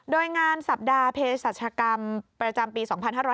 โดยงานสัปดาห์เพศรัชกรรมประจำปี๒๕๕๙